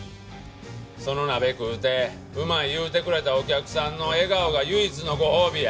その鍋食うてうまい言うてくれたお客さんの笑顔が唯一のご褒美や！